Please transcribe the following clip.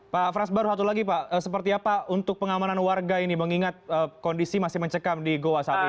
pak frans baru satu lagi pak seperti apa untuk pengamanan warga ini mengingat kondisi masih mencekam di goa saat ini